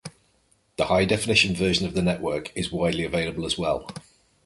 The high definition version of the network is widely available as well.